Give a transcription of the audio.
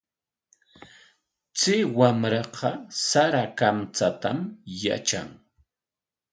Chay wamraqa sara kamchatam yatran.